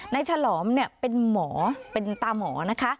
ฉลอมเป็นหมอเป็นตาหมอนะคะ